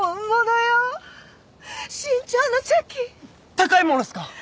高いものっすか？